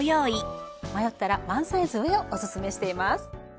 迷ったらワンサイズ上をおすすめしています。